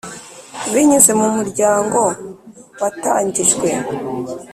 Binyuze mu Muryango watangijwe